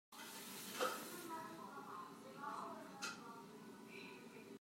Nanmah le nanmah nan i hmu.